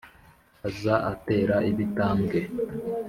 aza atera ibitambwe